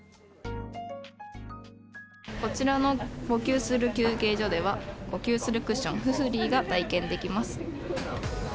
こちらの呼吸する休憩所では呼吸するクッションｆｕｆｕｌｙが体験できます。